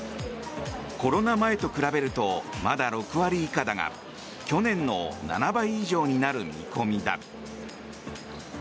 コロナ前と比べるとまだ６割以下だが去年の７倍以上になる見込みだ。